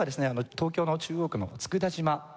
東京の中央区の佃島の盆踊。